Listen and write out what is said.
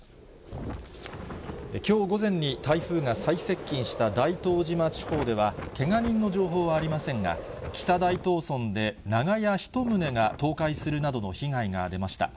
きょう午前に台風が最接近した大東島地方では、けが人の情報はありませんが、北大東村で長屋１棟が倒壊するなどの被害が出ました。